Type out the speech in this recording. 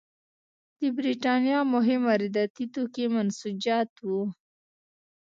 د برېټانیا مهم وارداتي توکي منسوجات وو.